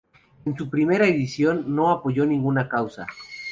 En su primera edición, no apoyó ninguna causa.